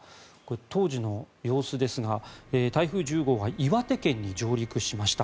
当時の様子ですが台風１０号が岩手県に上陸しました。